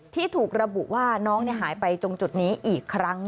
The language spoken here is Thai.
ที่ถูกระบุว่าน้องหายไปตรงจุดนี้อีกครั้ง